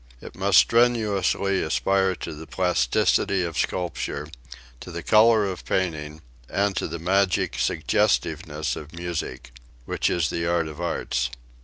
It must strenuously aspire to the plasticity of sculpture, to the colour of painting, and to the magic suggestiveness of music which is the art of arts.